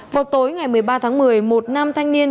vào tối ngày một mươi ba tháng một mươi một nam thanh niên